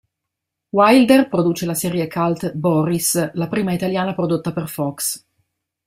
Wilder produce la serie cult Boris, la prima italiana prodotta per Fox.